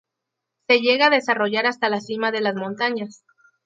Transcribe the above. Se llega a desarrollar hasta la cima de las montañas.